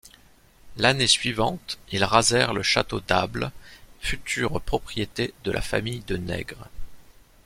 L'année suivante ils rasèrent le château d'Able, future propriété de la famille de Nègre.